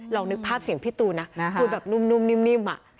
นึกภาพเสียงพี่ตูนนะพูดแบบนุ่มนิ่ม